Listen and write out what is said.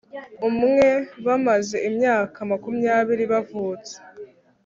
umwe bamaze imyaka makumyabiri bavutse